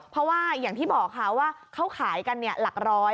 เพราะว่าอย่างที่บอกค่ะว่าเขาขายกันหลักร้อย